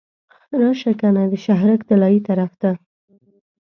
راشه کنه د شهرک طلایي طرف ته.